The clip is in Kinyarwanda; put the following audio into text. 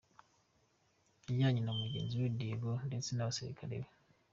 Yajyanye na mugenzi we Diego ndetse n’abasirikare be.